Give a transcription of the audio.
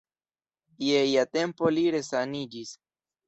Je ia tempo li resaniĝis.